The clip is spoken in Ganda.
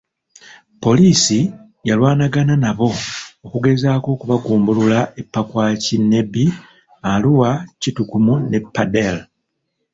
Poliisi yalwanagana nabo okugezaako okubagumbulula e Pakwach, Nebbi, Arua, Kitgum ne Pader.